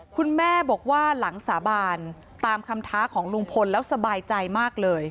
คุณแม่บอกว่าหลังสาบานตามคำท้าของลุงพลแล้วสบายใจมากเลย